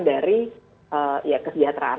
dari ya kesejahteraan